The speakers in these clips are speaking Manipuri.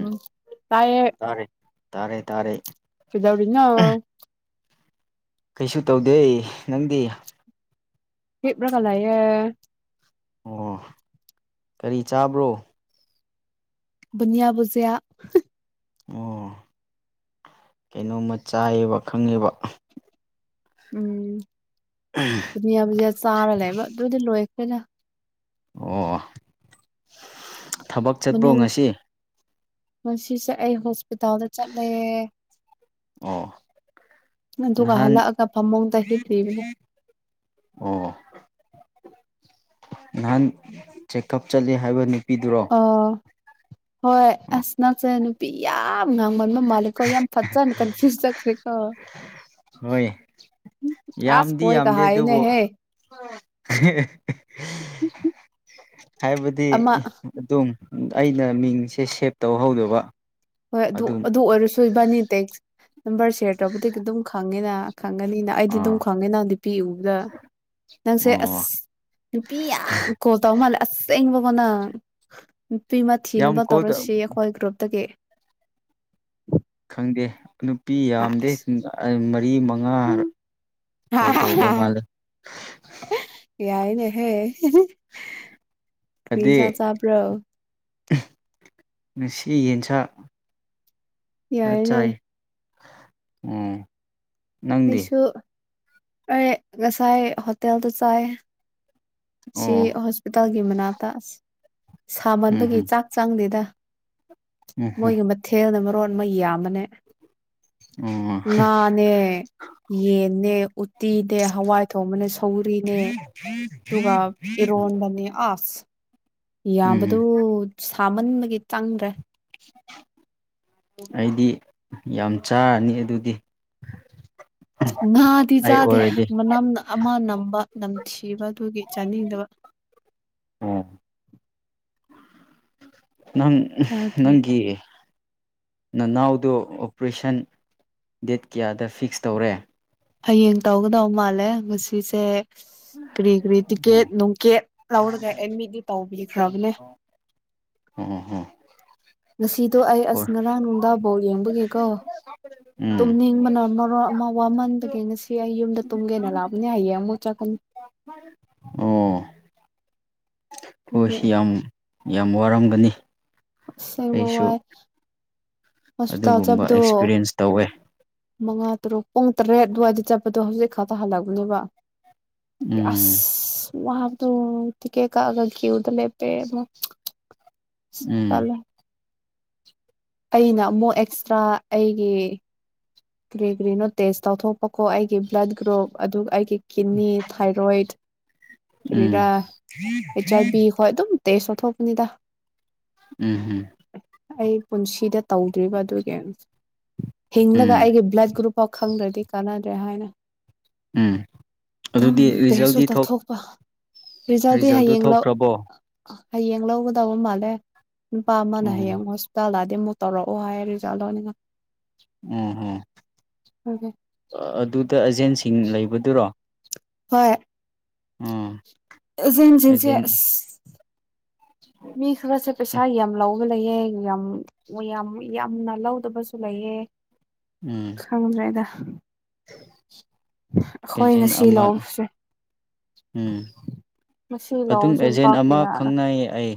ꯎꯝ ꯇꯥꯏꯌꯦ ꯇꯥꯔꯩ ꯇꯥꯔꯦ ꯗꯧꯅ ꯀꯩꯁꯨ ꯇꯧꯗꯦ ꯅꯪꯗꯤ ꯍ ꯔ꯭ꯔꯀꯥ ꯂꯌꯦ ꯑꯣ ꯀꯔꯤ ꯆꯥꯕ꯭ꯔꯣ ꯟꯌꯥꯕꯨꯨꯖꯌꯥ ꯑꯣ ꯀꯩꯅꯣꯝꯃ ꯆꯥꯏꯌꯦꯕ ꯈꯪꯉꯦꯕ ꯎꯝ ꯕꯨꯅꯤꯌꯥ ꯕꯨꯖꯤꯌꯥ ꯆꯥꯔ ꯂꯩꯕ ꯑꯗꯨꯗꯤ ꯂꯣꯏꯈ꯭ꯔꯦꯗ ꯑꯣ ꯊꯕꯛ ꯆꯠꯄ꯭ꯔꯣ ꯃꯅꯨꯡ ꯉꯁꯤ ꯉꯁꯤꯁꯦ ꯑꯩ ꯍꯣꯁꯄꯤꯇꯥꯜꯗ ꯆꯠꯂꯦ ꯑꯣ ꯑꯗꯨꯒ ꯍꯜꯂꯛꯑꯒ ꯐꯃꯨꯡꯗ ꯅꯍꯥꯟꯔꯤꯔꯤ ꯍꯤꯞꯂꯤꯕꯅꯦ ꯑꯣ ꯅꯍꯥꯟ ꯆꯦꯛꯀꯑꯞ ꯆꯠ ꯍꯥꯏꯕꯅꯤ ꯑꯣ ꯍꯣꯏ ꯑꯁ ꯅꯁꯦ ꯅꯨꯄꯤ ꯌꯥꯝ ꯉꯥꯡꯕꯟꯕ ꯃꯥꯂꯀꯣ ꯌꯥꯝ ꯐꯖꯅꯤ ꯀꯟꯐ꯭ꯨꯁ ꯂꯈꯦꯀꯣ ꯍꯣꯏ ꯑꯁ ꯌꯥꯝꯗꯤ ꯍꯣꯏꯒ ꯌꯥꯝꯗꯦ ꯑꯗꯨꯕꯨ ꯍꯥꯏꯅꯦꯍꯦ [unintelligible] ꯍꯥꯏꯕꯗꯤ ꯑꯃ ꯑꯗꯨꯝ ꯑꯩꯅ ꯃꯤꯡꯁꯦ ꯁꯦꯞ ꯇꯧꯍꯧꯗꯕ ꯍꯣꯏ ꯑꯗꯨ ꯑꯗꯨꯝ ꯑꯗꯨ ꯑꯣꯏꯔꯁꯨ ꯏꯕꯅꯤ ꯇꯦꯛꯁ ꯅꯝꯕꯔ ꯁꯦꯌꯔ ꯇꯧꯕꯗꯒꯤ ꯑꯗꯨꯝ ꯈꯪꯉꯦꯅ ꯈꯪꯉꯅꯤꯅ ꯑꯩꯗꯤ ꯑꯗꯨꯝ ꯑꯥ ꯈꯪꯉꯦꯅ ꯅꯨꯄꯤ ꯎꯗ ꯅꯪꯁꯦ ꯑꯁ ꯑꯣ ꯅꯨꯄꯤ ꯌꯥꯝ ꯀꯣꯜ ꯇꯧ ꯃꯥꯜꯂꯦ ꯑꯁꯦꯡꯕ ꯑꯣꯣ ꯅꯪ ꯅꯨꯄꯤ ꯑꯃ ꯌꯥꯝ ꯊꯤꯅꯕ ꯀꯣꯜ ꯇꯧꯔꯁꯤ ꯑꯩꯈꯣꯏ ꯒ꯭ꯔꯨꯞꯇꯒꯤ ꯈꯪꯗꯦ ꯅꯨꯄꯤ ꯌꯥꯝꯗꯦ ꯑꯁ ꯃꯔꯤ ꯃꯉꯥ ꯎꯝ ꯀꯣ ꯇ ꯎꯕ ꯃꯥꯂ ꯍꯦ ꯄꯤꯖꯥ ꯑꯗꯨꯗꯤ ꯆꯕ꯭ꯔꯣ ꯉꯁꯤ ꯌꯦꯟꯁꯥꯛ ꯌꯥꯏꯅꯦ ꯎꯝ ꯑꯩꯁꯨ ꯑꯩ ꯉꯁꯥꯏ ꯍꯣꯇꯦꯜꯗ ꯆꯥꯏ ꯁꯤ ꯑꯣ ꯍꯣꯁꯄꯤꯇꯥꯜꯒꯤ ꯃꯅꯥꯛꯇ ꯑꯁꯤ ꯎꯝ ꯁꯥꯃꯟꯕꯒꯤ ꯎꯝ ꯆꯥꯛ ꯆꯥꯡꯗꯦꯗ ꯎꯝ ꯃꯣꯏꯒꯤ ꯃꯊꯦꯜꯅ ꯃꯔꯣꯠ ꯃꯩ ꯌꯥꯝꯕꯅꯦ ꯎꯝ ꯑꯣ ꯉꯅꯦꯦ ꯌꯦꯟꯅꯦ ꯎꯠꯇꯤꯅꯦ ꯍꯋꯥꯏ ꯊꯣꯡꯕꯅꯦ ꯁꯧꯔꯤꯅꯦ ꯇꯒ ꯏꯔꯣꯣꯟꯕꯅꯤ ꯑꯁ ꯌꯥꯕꯗꯨ ꯎꯝ ꯁꯥꯃꯟꯕꯒꯤ ꯆꯪꯗ꯭ꯔꯦ ꯑꯩꯗꯤ ꯌꯥꯝ ꯆꯥꯔꯅꯤ ꯑꯗꯨꯗꯤ ꯅꯥꯗꯤ ꯑꯩ ꯆꯥꯗꯦ ꯑꯣꯏꯔꯗꯤ ꯃꯅꯝꯅ ꯑꯃ ꯅꯝꯕ ꯅꯝꯊꯤꯕ ꯑꯗꯨꯒꯤ ꯆꯥꯅꯤꯡꯗꯕ ꯎꯝ ꯅꯪ ꯆꯥꯗꯦ ꯅꯪꯒꯤ ꯅꯅꯥꯎꯗꯨ ꯑꯣꯄꯔꯦꯁꯟ ꯗꯦꯠ ꯀꯌꯥꯗ ꯐꯤꯛꯁ ꯇꯧꯔꯦ ꯍꯌꯦꯡ ꯇꯧꯒꯗꯧ ꯃꯥꯜꯂꯦ ꯉꯁꯤꯁꯦ ꯀꯔꯤ ꯀꯔꯤ ꯇꯤꯀꯦꯠ ꯑꯣ ꯅꯨꯡꯀꯦꯠ ꯂꯧꯔꯒ ꯑꯦꯗꯃꯤꯠꯇ ꯇꯧꯕꯤꯈ꯭ꯔꯕꯅꯦ ꯑꯝ ꯍꯝ ꯉꯁꯤꯗꯣ ꯑꯩ ꯑꯁ ꯉꯔꯥꯡ ꯅꯨꯡꯗꯥꯡꯐꯧ ꯌꯦꯡꯕꯒꯦꯀꯣ ꯎꯝ ꯇꯨꯝ ꯍꯕꯅ ꯃꯔꯔꯣ ꯑꯃ ꯋꯥꯃꯟꯕꯒꯦ ꯉꯁꯤ ꯑꯩ ꯌꯨꯝꯗ ꯇꯨꯝꯒꯦꯅ ꯂꯥꯛꯕꯅꯦ ꯍꯌꯦꯡ ꯑꯃꯨꯛ ꯆꯠꯀꯅꯤ ꯑꯣ ꯑꯗꯨꯒꯤ ꯑꯩꯈꯣꯏꯁꯤ ꯌꯥꯝ ꯌꯥꯝ ꯋꯥꯔꯝꯒꯅꯤ ꯎꯦ ꯑꯩꯁꯨ ꯋꯥ ꯑꯗꯨꯒꯨꯝꯕ ꯑꯦꯛꯁꯄꯤꯔꯤꯌꯦꯟꯁ ꯇꯧꯋꯦ ꯃꯉꯥ ꯇꯔꯨꯛ ꯄꯨꯡ ꯇꯔꯦꯠ ꯑꯗꯨꯋꯥꯏꯗ ꯆꯠꯄꯗꯣ ꯍꯧꯖꯤꯛ ꯈꯛꯇ ꯍꯜꯂꯛꯄꯅꯦꯕ ꯑꯁ ꯎꯝ ꯌꯥꯣ ꯇꯀ ꯀꯒ ꯀꯦꯎꯗ ꯂꯩꯦ ꯄꯦ ꯎꯝ ꯑꯩꯅ ꯑꯃꯨꯛ ꯑꯦꯛꯁꯇ꯭ꯔꯥ ꯑꯩꯒꯤ ꯭ꯔꯤꯒ꯭ꯔꯤꯅꯣ ꯇꯦꯁ ꯇꯧꯊꯣꯛꯄꯀꯣ ꯑꯩꯒꯤ ꯕ꯭ꯂꯠ ꯒ꯭ꯔꯨꯞ ꯑꯗꯨꯒ ꯑꯩꯒꯤ ꯀꯤꯠꯅꯤ ꯊꯥꯏꯔꯣꯏꯗ ꯎꯝ ꯀꯔꯤꯔꯥ ꯑꯩꯩꯆ ꯑꯥꯏ ꯕꯤ ꯍꯣꯏ ꯑꯗꯨꯝ ꯇꯁꯨꯣꯊꯣꯛꯄꯅꯤꯗ ꯎꯝ ꯎꯝ ꯑꯩ ꯄꯨꯟꯁꯤꯗ ꯇꯧꯗ꯭ꯔꯤꯕ ꯑꯗꯨꯒꯤꯦꯝꯁ ꯒ ꯎꯝ ꯑꯩꯒꯤ ꯕ꯭ꯂꯗ ꯒ꯭ꯔꯨꯞꯐꯥꯎ ꯈꯪꯗ꯭ꯔꯗꯤ ꯀꯥꯟꯅꯗ꯭ꯔꯦ ꯍꯥꯏꯅ ꯎꯝ ꯊꯝ ꯑꯗꯨꯗꯤ ꯇꯦꯁꯨꯣ ꯔꯤꯖꯜꯗꯤ ꯇ ꯊꯣꯛ ꯊꯣꯛꯄ ꯭ꯔꯤꯖꯥꯗꯤ ꯔꯤꯖꯜꯗꯨ ꯍꯌꯦꯡ ꯂꯥꯛ ꯊꯣꯛꯈ꯭ꯔꯕꯣ ꯍꯌꯦꯡ ꯂꯧꯒꯗꯧꯕ ꯃꯥꯜꯂꯦ ꯅꯨꯄꯥ ꯑꯃꯅ ꯎꯝ ꯍꯌꯦꯡ ꯍꯣꯁꯄꯤꯇꯥꯜꯗꯗꯤ ꯃꯨ ꯇꯧꯔꯛꯑꯣ ꯍꯥꯏꯔꯔꯤꯖꯥꯗꯅꯤ ꯎꯝꯍꯣ ꯑꯗꯨꯗ ꯑꯦꯖꯦꯟꯁꯤꯡ ꯂꯩꯕꯗꯨꯔꯣ ꯍꯣꯏ ꯎꯝ ꯖꯦꯟꯖꯤꯟꯁꯦ ꯑꯁ ꯑꯦꯖꯦꯟ ꯃꯤꯁ ꯁꯦ ꯄꯩꯁꯥ ꯌꯥꯝ ꯑꯃ ꯂꯑꯣ ꯂꯩꯑ ꯌꯥꯝ ꯌꯥꯝ ꯌꯥꯝꯅ ꯂꯧꯗꯕꯁꯨ ꯂꯩꯑ ꯎꯝ ꯐꯃꯗ꯭ꯔꯗ ꯑꯩꯈꯣꯏ ꯑꯦꯖꯦꯟ ꯉꯁꯤ ꯑꯃ ꯂꯁꯦ ꯎꯝ ꯃꯁꯤ ꯑꯗꯨꯝ ꯂꯧꯑꯣꯖꯜ ꯑꯦꯖꯦꯟ ꯑꯃ ꯄꯥꯀꯤꯌꯥꯅ ꯈꯪꯅꯩꯌꯦ ꯑꯩ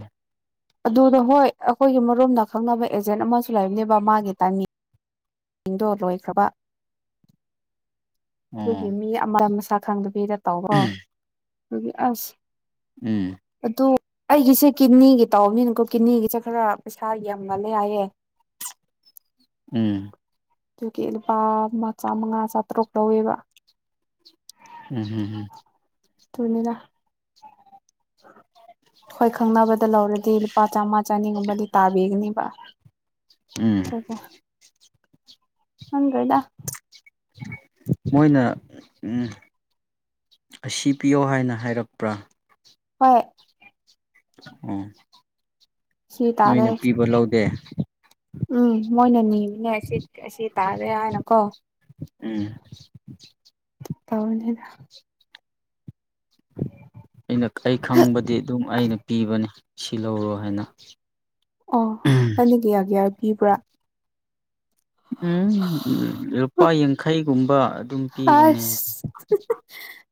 ꯑꯗꯨꯗ ꯍꯣꯏ ꯑꯩꯈꯣꯏꯒꯤ ꯃꯔꯣꯝꯗ ꯈꯪꯅꯕ ꯑꯦꯖꯦꯟ ꯑꯃꯁꯨ ꯂꯩꯕꯅꯦꯕ ꯃꯥꯒꯤ ꯇꯥꯏꯅꯤꯡꯡ ꯗꯣ ꯂꯣꯏꯈ꯭ꯔꯕ ꯑꯗꯨꯒꯤ ꯑꯣ ꯃꯤ ꯑꯃ ꯆꯥꯛꯈꯪꯗꯕꯤꯗ ꯇꯧꯋꯣ ꯑꯗꯨꯒꯤ ꯑꯁ ꯎꯝ ꯑꯗꯨ ꯑꯩꯒꯤꯁꯦ ꯀꯤꯠꯅꯤꯒꯤ ꯇꯧꯕꯅꯤꯅꯀꯣ ꯀꯤꯠꯅꯤꯒꯤꯁꯦ ꯈꯔ ꯄꯩꯁꯥ ꯌꯥꯝꯕꯂ ꯌꯥꯌꯦ ꯎꯝ ꯑꯗꯨꯒꯤ ꯂꯨꯄꯥ ꯃꯆꯥ ꯃꯉꯥ ꯆꯥꯇꯔꯨꯛ ꯂꯧꯋꯦꯕ ꯎꯝ ꯍꯝꯝ ꯇꯅꯤꯗ ꯍꯣꯏ ꯈꯪꯅꯕꯗ ꯂꯧꯔꯗꯤ ꯂꯨꯄꯥ ꯆꯥꯝꯃꯥ ꯆꯅꯤꯒꯨꯝꯕꯗꯤ ꯇꯥꯕꯤꯒꯅꯤ ꯋꯥ ꯎꯝ ꯅꯟ꯭ꯔꯣꯣꯏꯗ ꯃꯣꯏꯅ ꯑꯁꯤ ꯄꯤꯌꯣ ꯍꯥꯏꯅ ꯍꯥꯏꯔꯛꯄ꯭ꯔꯥ ꯍꯣꯏ ꯎ ꯁꯤ ꯇꯥꯔꯦ ꯅꯣꯏꯅ ꯄꯤꯕ ꯂꯧꯗꯦ ꯎꯝ ꯃꯣꯏꯅ ꯅꯤꯕꯅꯦ ꯑꯁꯤ ꯑꯁꯤ ꯇꯥꯔꯦ ꯍꯥꯏꯅꯀꯣ [unintelligible] ꯇꯥꯎꯅꯤꯗ ꯎꯝ ꯑꯩꯅ ꯑꯩ ꯈꯪꯕꯗꯤ ꯑꯗꯨꯝ ꯑꯩꯅ ꯄꯤꯕꯅꯦ ꯁꯤ ꯂꯧꯔꯣ ꯍꯥꯏꯅ ꯑꯣ ꯅꯪꯅꯤ ꯀꯌꯥꯒꯤꯌꯥꯔ ꯄꯤꯕ꯭ꯔꯥ ꯎꯝ ꯂꯨꯄꯥ ꯌꯥꯡꯈꯩꯒꯨꯝꯕ ꯑꯗꯨꯝ ꯄꯤꯕꯅꯦ ꯍꯥꯏꯗꯤ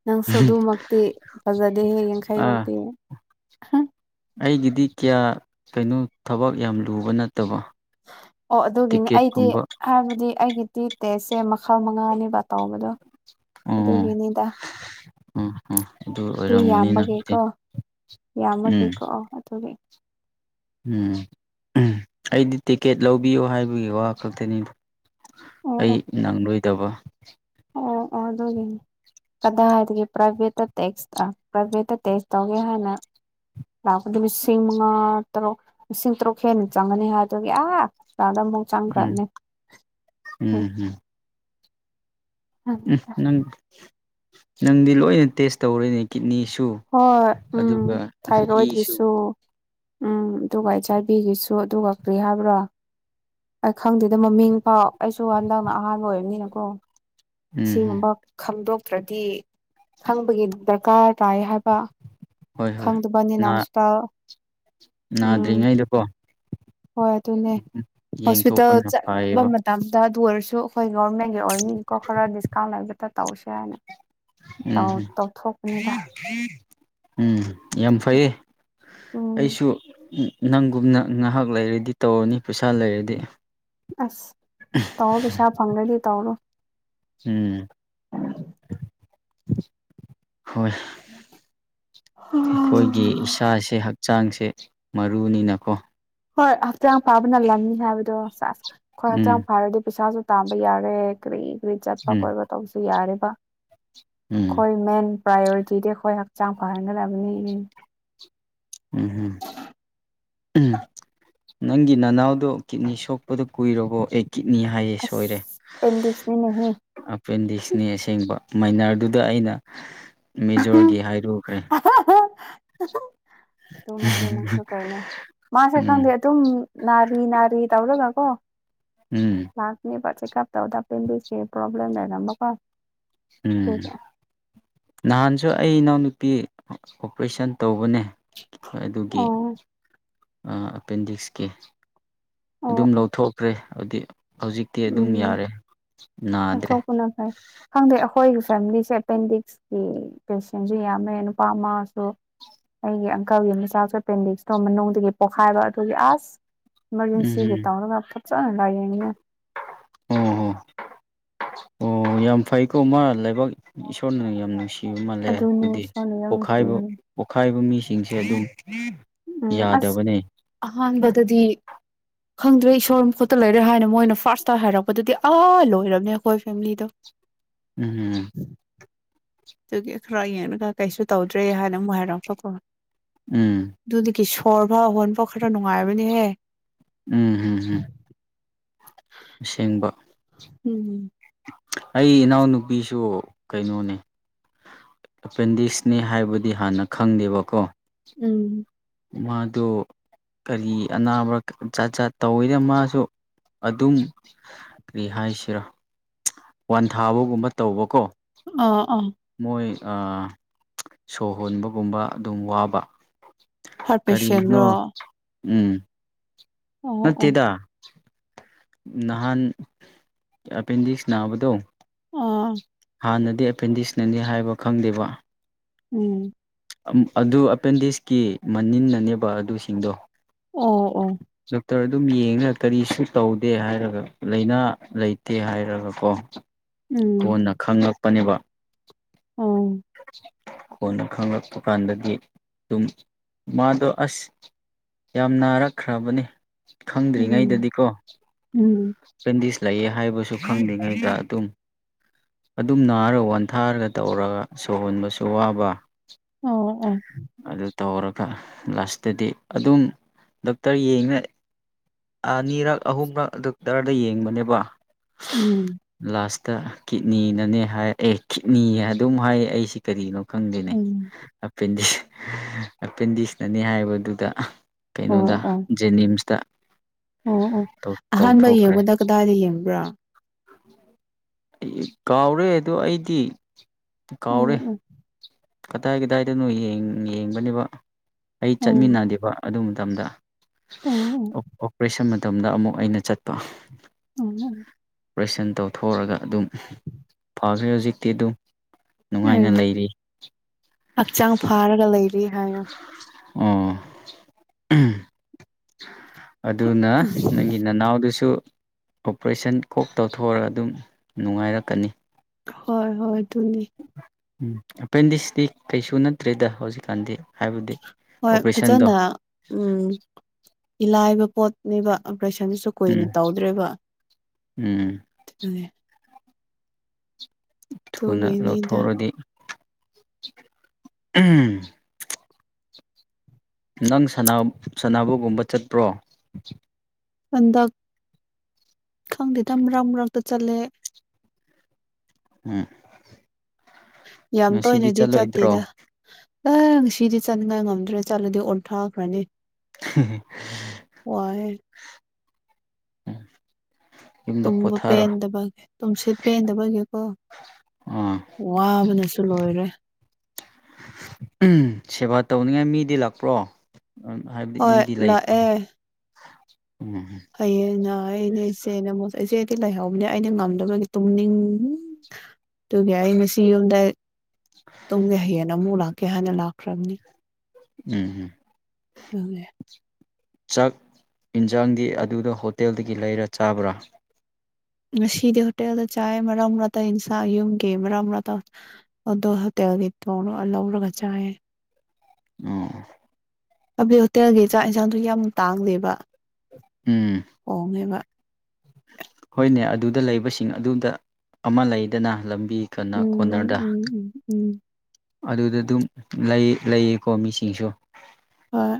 ꯅꯪ ꯁꯗꯨ ꯃꯛꯇꯛꯇꯤ ꯐꯖꯗꯦ ꯍꯦ ꯌꯦꯡ ꯈꯥꯏ ꯑꯥ ꯃꯛꯇꯛꯇꯤ ꯑꯩꯒꯤꯗꯤ ꯀꯌꯥ ꯀꯩꯅꯣ ꯊꯕꯛ ꯌꯥꯝ ꯂꯨꯕꯅ ꯑꯣ ꯑꯗꯨꯒꯤꯅꯤ ꯑꯩꯗꯤ ꯍꯥꯏꯕꯗꯤ ꯑꯩꯒꯤ ꯇꯤ ꯇꯦꯁꯦ ꯃꯈꯜ ꯃꯈꯥ ꯃꯉꯥꯅꯦꯕ ꯇꯝꯕꯗꯣ ꯑꯣ ꯑꯗꯨꯒꯤꯅꯤꯗ ꯑꯣ ꯑꯣ ꯑꯗꯨ ꯑꯣꯏꯔꯝꯒꯅꯤ ꯌꯥꯝꯕꯒꯦ ꯅꯪꯒꯤꯗꯤ ꯀꯣ ꯌꯥꯝꯃꯒꯦ ꯎꯝ ꯀꯣ ꯑꯗꯨꯒꯤ ꯎꯝ ꯑꯩꯗꯤ ꯇꯤꯛꯀꯦꯠ ꯂꯧꯕꯤꯌꯣ ꯍꯥꯏꯕꯒꯤ ꯋꯥ ꯈꯛꯇꯅꯤꯗ ꯑꯣ ꯑꯩ ꯑꯣ ꯉꯪꯂꯂꯣꯏꯗꯕ ꯑꯣ ꯑꯣ ꯑꯗꯨꯒꯤꯅꯤ ꯀꯗꯥꯏ ꯍꯥꯏꯒ ꯄ꯭ꯔꯥꯏꯚꯦꯠꯇ ꯇꯦꯛꯁ ꯄ꯭ꯔꯥꯏꯚꯦꯠꯇ ꯇꯦꯛꯁ ꯇꯧꯒꯦ ꯍꯥꯏꯅ ꯂꯥꯛꯄꯗ ꯂꯤꯁꯤꯡ ꯃꯉꯥ ꯇꯔꯨꯛ ꯂꯤꯁꯤꯡ ꯇꯔꯨꯛ ꯍꯦꯟꯅ ꯆꯪꯒꯅꯤ ꯍꯥꯏ ꯑꯗꯨꯒꯤ ꯑꯥ ꯆꯥꯗ ꯑꯃꯨꯛ ꯎꯝ ꯆꯪꯈ꯭ꯔꯕꯅꯦ ꯎꯝ ꯎꯝ ꯅꯪ ꯅꯪꯗꯤ ꯂꯣꯏꯅ ꯇꯦꯁ ꯇꯧꯔꯣꯏꯅꯦ ꯀꯤꯠꯅꯤꯁꯨ ꯍꯣꯏ ꯎꯝ ꯑꯗꯨꯒ ꯏꯁꯨ ꯊꯥꯏꯔꯣꯏꯗꯀꯤꯁꯨ ꯎꯝ ꯑꯗꯨꯒ ꯑꯩꯠꯆ ꯑꯥꯏ ꯕꯤꯒꯤꯁꯨ ꯑꯗꯨꯒ ꯀꯔꯤ ꯍꯥꯏꯕ꯭ꯔꯣ ꯑꯩ ꯈꯪꯗꯦꯗ ꯃꯃꯤꯡ ꯐꯥꯎ ꯑꯩꯁꯨ ꯍꯟꯗꯛꯅ ꯑꯍꯥꯟꯕ ꯑꯣꯏꯕꯅꯤꯅꯀꯣ ꯎꯝ ꯎꯝ ꯁꯤꯒꯨꯝꯕ ꯈꯪꯗꯣꯛꯇ꯭ꯔꯗꯤ ꯈꯪꯕꯒꯤ ꯗꯔꯀꯥꯔ ꯇꯥꯏ ꯍꯥꯏꯕ ꯈꯪꯗꯕꯅꯤꯅ ꯍꯁꯄꯤꯇꯥ ꯉꯗ꯭ꯔꯤꯉꯩꯗꯨꯀꯣ ꯍꯣꯏ ꯑꯗꯨꯅꯦ ꯍꯣꯁꯄꯤꯇꯥꯜ ꯌꯦꯡꯊꯣꯛꯄꯅ ꯆ ꯃꯇꯝ ꯐꯩꯌꯦꯕ ꯃꯇꯝ ꯑꯗꯨ ꯑꯣꯏꯔ ꯁꯨ ꯑꯩꯈꯣꯏ ꯒꯣꯔꯃꯦꯟꯒꯤ ꯑꯣꯏꯕꯅꯤꯀꯣ ꯈꯔ ꯗꯤꯁꯀꯥꯎꯟ ꯂꯩꯕꯇ ꯇꯧꯁꯦ ꯍꯥꯏꯅ ꯎꯝ ꯇꯧꯊꯣꯛꯄꯅꯤꯗ ꯎꯝ ꯌꯥꯝ ꯐꯩꯌꯦ ꯎꯝ ꯑꯩꯁꯨ ꯅꯪꯒꯨꯝꯅ ꯉꯥꯏꯍꯥꯛ ꯂꯩꯔꯗꯤ ꯇꯧꯔꯅꯤ ꯄꯩꯁꯥ ꯂꯩꯔꯗꯤ ꯑꯁ ꯇꯥꯎꯕꯁ ꯐꯪꯒꯗꯤ ꯇꯥꯎꯕ ꯎꯝ ꯍꯣꯏ ꯑꯩꯈꯣꯏꯒꯤ ꯏꯁꯥꯁꯦ ꯍꯛꯆꯥꯡꯁꯦ ꯃꯔꯨꯅꯤꯅꯀꯣ ꯍꯣꯏ ꯍꯛꯆꯥꯡ ꯐꯕꯅꯜꯂꯝꯅꯤ ꯍꯥꯏꯕꯗꯣ ꯆ ꯑꯩꯈꯣꯏ ꯍꯛꯆꯥꯡ ꯎꯝ ꯐꯥꯔꯗꯤ ꯄꯩꯁꯥꯁꯨ ꯇꯥꯕ ꯌꯥꯔꯦ ꯀꯔꯤ ꯀꯔꯤ ꯆꯠꯄ ꯎꯝ ꯈꯣꯠꯄ ꯇꯧꯕꯁꯨ ꯌꯥꯔꯦꯕ ꯎꯝ ꯑꯩꯈꯣꯏ ꯃꯦꯟ ꯄ꯭ꯔꯥꯏꯌꯣꯔꯤꯇꯤꯗꯤ ꯑꯩꯈꯣꯏ ꯍꯛꯆꯥꯡ ꯐꯍꯟꯒꯗꯕꯅꯤ ꯎꯝꯝ ꯅꯪꯒꯤ ꯅꯅꯥꯎꯗꯣ ꯀꯤꯠꯅꯤ ꯁꯣꯛꯄꯗ ꯀꯨꯏꯔꯕꯣ ꯑꯩ ꯀꯤꯠꯅꯤ ꯍꯥꯏꯁꯦ ꯑꯁ ꯁꯣꯏꯔꯦ ꯑꯦꯄꯦꯟꯗꯤꯛꯁꯅꯤꯅꯦꯍꯦ ꯑꯦꯄꯦꯟꯗꯤꯛꯁꯅꯤ ꯑꯁꯦꯡꯕ ꯃꯥꯏꯅꯔꯗꯨꯗ ꯑꯩꯅ ꯃꯤꯖꯣꯔꯒꯤ ꯍꯥꯏꯔꯨꯈ꯭ꯔꯦ ꯑꯗꯨꯃꯛꯇꯤ ꯅꯪꯁꯨ ꯀꯩꯅꯣ ꯃꯥꯁꯦ ꯎꯝ ꯈꯪꯗꯦ ꯑꯗꯨꯝ ꯅꯔꯤ ꯅꯔꯤ ꯇꯧꯂꯣ ꯉꯒꯣ ꯎꯝ ꯂꯥꯥꯁꯅꯩ ꯄꯔꯆꯦ ꯀꯞ ꯇꯧꯗꯄꯕꯤꯁꯀꯤ ꯄ꯭ꯔꯣꯕ꯭ꯂꯦꯝ ꯂꯩꯔꯝꯃꯀꯣ ꯎꯝ ꯅꯍꯥꯟꯁꯨ ꯑꯩ ꯏꯅꯥꯎꯅꯨꯄꯤ ꯑꯣꯄꯔꯦꯁꯟ ꯇꯧꯕꯅꯦ ꯑꯗꯨꯒꯤ ꯑꯣ ꯑꯦꯄꯦꯟꯗꯤꯛꯁꯀꯤ ꯑꯣ ꯑꯗꯨꯝ ꯂꯧꯊꯣꯛꯈ꯭ꯔꯦ ꯍꯥꯏꯕꯗꯤ ꯍꯧꯖꯤꯛꯇꯤ ꯑꯗꯨꯝ ꯎꯝ ꯌꯥꯔꯦ ꯅꯥꯗ꯭ꯔꯦ ꯆꯠꯊꯣꯛꯄꯅ ꯐꯩ ꯈꯪꯗꯦ ꯑꯩꯈꯣꯏꯒꯤ ꯐꯦꯃꯤꯂꯤꯁꯦ ꯑꯦꯄꯦꯟꯗꯤꯛꯁꯀꯤ ꯄꯦꯁꯦꯟꯁꯦ ꯌꯥꯝꯃꯦ ꯅꯨꯄꯥ ꯑꯃꯁꯁꯨ ꯑꯩꯒꯤ ꯑꯪꯀꯜꯒꯤ ꯃꯆꯥꯥꯛꯁꯨ ꯑꯦꯄꯦꯟꯗꯤꯛꯁꯇꯣ ꯃꯅꯨꯡꯗꯒꯤ ꯄꯣꯛꯈꯥꯏꯕ ꯑꯗꯨꯒꯤ ꯑꯁ ꯎꯝ ꯏꯃꯔꯖꯦꯟꯁꯤꯒꯤ ꯒꯤ ꯇꯔ ꯊꯠ ꯆꯥꯅ ꯂꯥꯏꯅꯦ ꯑ ꯑꯣ ꯌꯥꯝ ꯐꯩꯀꯣ ꯃꯥ ꯂꯩꯕꯥꯛ ꯏꯁꯣꯔꯅ ꯌꯥꯝ ꯅꯨꯡꯁꯤ ꯀꯤꯕ ꯃꯥꯜꯂꯦ ꯑꯗꯨꯅꯤ ꯑꯗꯨꯗꯤ ꯏꯁꯣꯔꯅ ꯌꯥꯝ ꯄꯣꯠꯈꯥꯏꯕ ꯅꯨꯡꯁꯤꯕꯅꯤ ꯄꯣꯠꯈꯥꯏꯕ ꯃꯤꯁꯤꯡꯁꯦ ꯑꯗꯨꯝ ꯎꯝ ꯑꯁ ꯌꯥꯗꯕꯅꯦ ꯑꯍꯥꯟ ꯗꯗꯤ [unintelligible] ꯈꯪꯗ꯭ꯔꯦ ꯏꯁꯣꯔꯨꯝ ꯈꯨꯠꯇ ꯂꯩꯔꯦ ꯍꯥꯏꯅ ꯃꯣꯏꯅ ꯐꯥꯔꯁꯇ ꯍꯥꯏꯔꯛꯄꯗꯗꯤ ꯑꯥ ꯂꯣꯏꯔꯕꯅꯦ ꯑꯩꯈꯣꯏ ꯐꯦꯃꯤꯂꯤꯗꯣ ꯎꯝ ꯑꯗꯨꯒꯤ ꯈꯔ ꯌꯦꯡꯉꯒ ꯀꯩꯁꯨ ꯇꯧꯗ꯭ꯔꯦ ꯍꯥꯏꯅ ꯑꯃꯨꯛ ꯍꯥꯏꯔꯛꯄꯀꯣ ꯎꯝ ꯑꯗꯨꯗꯒꯤ ꯁꯣꯔꯐꯥꯎ ꯍꯣꯟꯕ ꯈꯔ ꯅꯨꯡꯉꯥꯏꯔꯕꯅꯤꯍꯦ ꯎꯝ ꯍꯝ ꯎꯝ ꯑꯁꯦꯡꯕ ꯎꯝꯝ ꯑꯩ ꯏꯅꯥꯎꯅꯨꯄꯤꯁꯨ ꯀꯩꯅꯣꯅꯦ ꯑꯦꯄꯦꯟꯗꯤꯛꯁꯅꯤ ꯍꯥꯏꯕꯗꯤ ꯍꯥꯟꯅ ꯈꯪꯗꯦꯕꯀꯣ ꯎꯝ ꯃꯥꯗꯨ ꯀꯔꯤ ꯑꯅꯥꯕ ꯆꯠ ꯆꯥꯠ ꯇꯧꯋꯤꯅ ꯃꯥꯁꯨ ꯑꯗꯨꯝ ꯀꯔꯤ ꯍꯥꯏꯁꯤꯔꯣ ꯋꯥꯟ ꯊꯥꯕꯒꯨꯝꯕ ꯇꯧꯕꯀꯣ ꯑ ꯑꯥ ꯃꯣꯏ ꯁꯣ ꯍꯣꯟꯕꯒꯨꯝꯕ ꯑꯗꯨꯝ ꯋꯥꯕ ꯍꯥꯔꯠ ꯀꯔꯤꯅꯅꯣ ꯄꯦꯁꯦꯟꯔꯣ ꯎꯝ ꯑꯣ ꯑꯣ ꯅꯠꯇꯦꯗ ꯅꯍꯥꯟ ꯑꯦꯄꯦꯟꯗꯤꯛꯁ ꯅꯥꯕꯗꯣ ꯑꯥ ꯍꯥꯟꯅꯗꯤ ꯑꯦꯄꯦꯟꯗꯤꯛꯁꯅꯅꯤ ꯍꯥꯏꯕ ꯈꯪꯗꯦꯕ ꯎꯝ ꯑꯗꯨ ꯑꯦꯄꯦꯟꯗꯤꯛꯁꯀꯤ ꯃꯅꯤꯟꯅꯅꯦꯕ ꯑꯗꯨꯁꯤꯡꯗꯣ ꯑꯣ ꯑꯣ ꯗꯣꯛꯇꯔ ꯑꯗꯨꯝ ꯌꯦꯡ ꯀꯔꯤꯁꯨ ꯇꯧꯗꯦ ꯍꯥꯏꯔꯒ ꯂꯥꯏꯅꯥ ꯂꯩꯇꯦ ꯍꯥꯏꯔꯒ ꯀꯣ ꯀꯣꯟꯅ ꯈꯪꯉꯛꯄꯅꯦꯕ ꯑꯥ ꯀꯣꯟꯅ ꯈꯪꯂꯛꯄ ꯀꯥꯟꯗꯗꯤ ꯑꯗꯨꯝ ꯃꯥꯗꯣ ꯑꯁ ꯌꯥꯝ ꯅꯥꯔꯛꯈ꯭ꯔꯕꯅꯤ ꯎꯝ ꯈꯪꯗ꯭ꯔꯤꯉꯩꯗꯗꯤꯀꯣ ꯎꯝ ꯑꯦꯄꯦꯟꯗꯤꯁ ꯂꯩꯑ ꯍꯥꯏꯕꯁꯨ ꯈꯪꯗ꯭ꯔꯤꯉꯩꯗ ꯑꯗꯨꯝ ꯑꯗꯨꯝ ꯅꯥꯔꯒ ꯋꯥꯟꯊꯥꯔꯒ ꯇꯧꯔꯒ ꯁꯧꯍꯣꯟꯕꯁꯨ ꯋꯥꯕ ꯑꯣ ꯑꯣ ꯑꯗꯨꯗ ꯇꯧꯔꯒ ꯂꯥꯁꯇꯗꯤ ꯑꯗꯨꯝ ꯗꯣꯛꯇꯔ ꯌꯦꯡꯅ ꯑꯅꯤꯔꯛ ꯑꯍꯨꯝꯔꯛ ꯑꯗꯨꯣꯛꯇꯔꯗ ꯌꯦꯡꯕꯅꯦꯕ ꯎꯝ ꯇ ꯀꯤꯠꯅꯤꯅꯅꯦ ꯍꯥꯏ ꯑꯦ ꯀꯤꯠꯅꯤ ꯍꯥꯏ ꯑꯗꯨꯝ ꯍꯥꯏꯌꯦ ꯑꯩꯁꯤ ꯀꯔꯤꯅꯣ ꯎꯝ ꯈꯪꯗꯦꯅꯦꯄꯦꯟꯗꯤ ꯑꯦꯄꯦꯟꯗꯤꯛꯁꯅꯅꯤ ꯍꯥꯏꯕꯗꯨꯗ ꯑꯣ ꯀꯩꯅꯣꯗ ꯑꯣ ꯖꯦꯅꯤꯝꯁꯇ ꯑꯣ ꯑꯣ ꯇꯧ ꯑꯍꯥꯟꯕ ꯌꯦꯡꯕꯗ ꯀꯗꯥꯏꯗ ꯌꯦꯡꯕ꯭ꯔꯥ ꯀꯥꯎꯔꯦ ꯑꯗ ꯑꯩꯗꯤ ꯑꯣ ꯀꯥꯎꯔꯦ ꯑꯣ ꯀꯗꯥꯏ ꯀꯗꯥꯏꯗꯅꯣ ꯌꯦꯡꯕꯅꯦꯕ ꯑꯩ ꯑꯣ ꯆꯠꯃꯤꯟꯅꯗꯦꯕ ꯑꯗꯨ ꯃꯇꯝꯗ ꯑꯣ ꯑꯣꯄꯔꯦꯁꯟ ꯃꯇꯝꯗ ꯑꯃꯨꯛ ꯑꯩꯅ ꯆꯠꯄ ꯑꯣ ꯑꯣ ꯑꯣꯄꯔꯦꯁꯟ ꯇꯧꯊꯣꯛꯑꯒ ꯑꯗꯨꯝ ꯐꯈ꯭ꯔꯦ ꯍꯧꯖꯤꯛꯇꯤ ꯑꯗꯨꯝ ꯑꯦ ꯅꯨꯡꯉꯥꯏꯅ ꯂꯩꯔꯤ ꯍꯛꯆꯥꯡ ꯐꯥꯔꯒ ꯂꯩꯔꯤ ꯍꯥꯏꯅꯣ ꯑꯣ ꯑꯗꯨꯅ ꯅꯪꯒꯤ ꯅꯅꯥꯎꯗꯨꯁꯨ ꯑꯣꯄꯔꯦꯁꯟ ꯀꯣꯛ ꯇꯧꯊꯣꯛꯑꯔꯒ ꯑꯗꯨꯝ ꯅꯨꯡꯉꯥꯏꯔꯛꯀꯅꯤ ꯍꯣꯏ ꯍꯣꯏ ꯑꯗꯨꯅꯤ ꯎꯝ ꯑꯦꯄꯦꯟꯗꯤꯛꯁꯇꯤ ꯀꯩꯁꯨ ꯅꯠꯇ꯭ꯔꯦꯗ ꯍꯧꯖꯤꯛꯀꯥꯟꯗꯤ ꯍꯥꯏꯕꯗꯤ ꯍꯣꯏ ꯑꯣꯄꯔꯦꯁꯟꯗꯣ ꯐꯖꯅ ꯎꯝ ꯏꯂꯥꯏꯕ ꯄꯣꯠꯅꯦꯕ ꯑꯣꯄꯔꯦꯁꯟꯗꯨꯁꯨ ꯎꯝ ꯀꯨꯏꯅ ꯇꯧꯗ꯭ꯔꯦꯕ ꯎꯝ ꯎꯅꯦ ꯊꯨꯅ ꯑꯗꯨꯒꯤꯅꯤꯗ ꯂꯧꯊꯣꯛꯔꯗꯤ ꯅꯪ ꯁꯅꯥꯕꯨꯣꯒꯨꯝꯕ ꯆꯠꯄ꯭ꯔꯣ ꯄꯗ ꯈꯪꯗꯦꯗꯔꯛ ꯃꯔꯛꯇ ꯆꯠꯂꯦ ꯎꯝ ꯌꯥꯝ ꯉꯁꯤꯗꯤ ꯇꯣꯏꯅꯗꯤ ꯆꯠꯇꯦꯗ ꯆꯠꯂꯣꯏꯗ꯭ꯔꯣ ꯑꯪ ꯁꯤꯗꯤ ꯆꯠꯅꯤꯡꯉꯥꯏ ꯉꯝꯗ꯭ꯔꯦ ꯆꯠꯂꯗꯤ ꯑꯣꯟꯊꯥꯈ꯭ꯔꯅꯤ ꯋꯥꯏ ꯌꯨꯝꯗ ꯇꯨꯝꯕ ꯄꯣꯊꯥꯔꯣ ꯄꯦꯟꯗꯕꯒꯤ ꯇꯨꯝꯁꯤ ꯄꯦꯟꯗꯕꯒꯤꯀꯣ ꯑꯥ ꯋꯥꯕꯅꯁꯨ ꯂꯣꯏꯔꯦ ꯎ ꯁꯦꯕꯥ ꯇꯧꯅꯤꯡꯉꯥꯏ ꯃꯤꯗꯤ ꯂꯥꯛꯄ꯭ꯔꯣ ꯍꯥꯏꯕꯗꯤ ꯍꯣꯏ ꯃꯤꯗꯤ ꯂꯩꯣ ꯍꯌꯦꯅ ꯑꯩꯅꯦ ꯏꯆꯦꯅ ꯏꯆꯦ ꯑꯩꯗꯤ ꯂꯩꯍꯧꯕꯅꯦ ꯑꯩꯅ ꯉꯝꯗꯕꯒꯤ ꯇꯨꯝꯅꯤꯡ ꯑꯗꯨꯒꯤ ꯑꯩ ꯉꯁꯤ ꯌꯨꯝꯗ ꯇꯨꯡꯒꯤ ꯍꯌꯦꯡ ꯑꯃꯨꯛ ꯂꯥꯛꯀꯦ ꯍꯥꯏꯅ ꯂꯥꯛꯈ꯭ꯔꯕꯅꯤ ꯎꯝꯝ ꯑꯗ ꯆꯥꯛ ꯌꯦꯟꯁꯥꯡꯗꯤ ꯑꯗꯨꯗ ꯍꯣꯇꯦꯜꯗꯒꯤ ꯂꯩꯔ ꯆꯥꯕ꯭ꯔꯥ ꯁꯤꯗꯤ ꯍꯣꯇꯦꯜꯗ ꯆꯥ ꯃꯔꯔꯝꯔꯠꯇ ꯏꯟꯁꯥ ꯌꯨꯝꯒꯦ ꯃꯔꯔꯝꯔꯠꯇꯇꯦꯜ ꯒꯅ ꯑꯥꯎꯔꯒ ꯆꯌꯦ ꯑꯣ ꯍꯥꯏꯕꯗꯤ ꯍꯣꯇꯦꯜꯒꯤ ꯆꯥꯛ ꯏꯟꯁꯥꯡꯁꯨ ꯌꯥꯝ ꯇꯥꯡꯗꯦꯕ ꯎꯝ ꯍꯣꯡꯉꯦꯕ ꯍꯣꯏꯅꯦ ꯑꯗꯨꯗ ꯂꯩꯕꯁꯤꯡ ꯑꯗꯨꯗ ꯑꯃ ꯂꯩꯗꯅ ꯂꯝ ꯕꯤ ꯀꯅꯥ ꯎꯝ ꯀꯣꯟꯅꯔꯗꯥ ꯎꯝ ꯎꯝ ꯎꯝ ꯑꯗꯨꯗ ꯑꯗꯨꯝ ꯂꯩ ꯂꯩꯌꯦꯀꯣ ꯃꯤꯁꯤꯡꯁꯨ ꯍꯣꯏ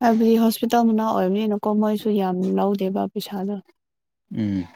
ꯍꯥꯏꯕꯗꯤ ꯍꯣꯁꯄꯤꯇꯥꯜ ꯃꯅꯥ ꯑꯣꯏꯕꯅꯤꯅꯀꯣ ꯃꯣꯏꯁꯨ ꯌꯥꯝ ꯂꯧꯗꯦꯕ ꯄꯩꯁꯥꯗꯣ ꯎꯝ